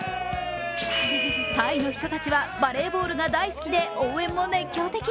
タイの人たちはバレーボールが大好きで応援も熱狂的。